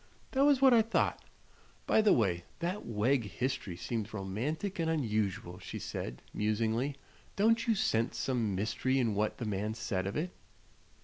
"That was what I thought. By the way, that Wegg history seems both romantic and unusual," she said, musingly. "Don't you scent some mystery in what the man said of it?"